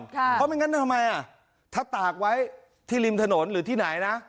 เพราะไม่งั้นทำไมถ้าตากไว้ที่ริมถนนหรือที่ไหนนะ